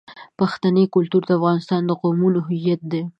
پښتني کلتور د افغانستان د قومونو هویت دی.